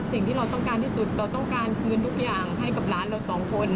สิ่งที่เราต้องการที่สุดเราต้องการคืนทุกอย่างให้กับร้านเราสองคน